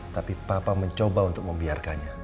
tapi papa mencoba untuk membiarkannya